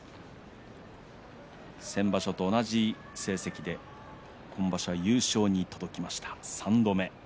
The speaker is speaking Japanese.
先場所と同じ成績で今場所、優勝に手が届きました。